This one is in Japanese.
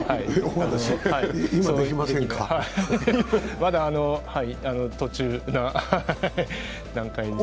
まだ途中な段階で。